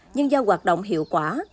nhưng do hoạt động hiệu quả